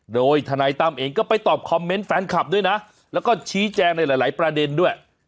โดยทนายตั้มเองก็ไปตอบคอมเมนต์แฟนคลับด้วยนะแล้วก็ชี้แจงในหลายประเด็นด้วย